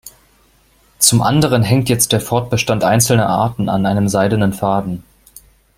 Zum anderen hängt jetzt der Fortbestand einzelner Arten an einem seidenen Faden.